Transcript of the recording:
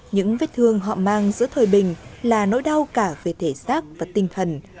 những vết thương họ mang giữa thời bình là nỗi đau cả về thể xác và tinh thần